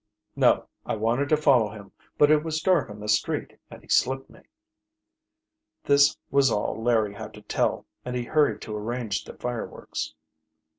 "No; I wanted to follow him, but it was dark on the street and he slipped me." This was all Larry had to tell, and he hurried to arrange the fireworks.